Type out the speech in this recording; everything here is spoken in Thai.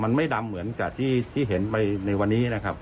มันไม่ดำเหมือนกับที่เห็นไปในวันนี้นะครับ